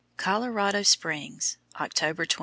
COLORADO SPRINGS, October 28.